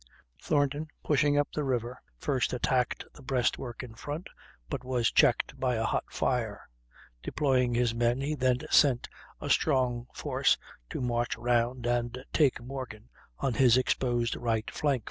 Thornton, pushing up the river, first attacked the breastwork in front, but was checked by a hot fire; deploying his men he then sent a strong force to march round and take Morgan on his exposed right flank.